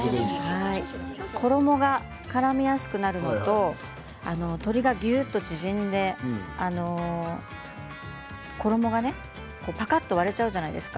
衣がからみやすくなるのと鶏がぎゅっと縮んで衣がパカっと割れちゃうじゃないですか